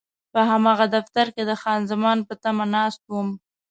په هماغه دفتر کې د خان زمان په تمه ناست وم.